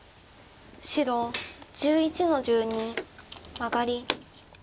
白１１の十二マガリ。